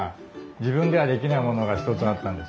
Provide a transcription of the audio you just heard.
自分ではできないものが一つあったんです。